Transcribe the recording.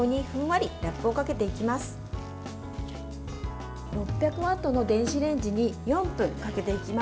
６００ワットの電子レンジに４分かけていきます。